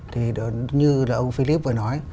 thì như là ông philip vừa nói